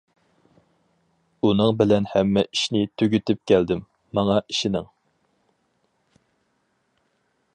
-ئۇنىڭ بىلەن ھەممە ئىشنى تۈگىتىپ كەلدىم، ماڭا ئىشىنىڭ!